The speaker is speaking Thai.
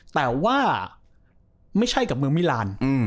แต่ว่าไม่ใช่กับเมืองมิลาน